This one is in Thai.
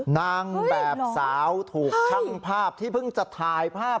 นางแบบสาวถูกช่างภาพที่เพิ่งจะถ่ายภาพ